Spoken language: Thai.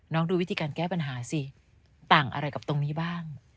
ดูวิธีการแก้ปัญหาสิต่างอะไรกับตรงนี้บ้าง